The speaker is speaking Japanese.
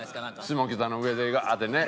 下北の上でガーッてね。